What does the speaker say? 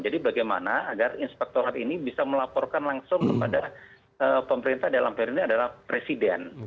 jadi bagaimana agar inspektorat ini bisa melaporkan langsung kepada pemerintah dalam periode ini adalah presiden